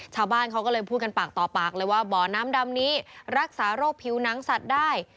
ชาวบ้านเขาก็เลยพูดกันปากต่อปากเลยว่าบ่อน้ำดำนี้รักษาโรคผิวหนังสัตว์ได้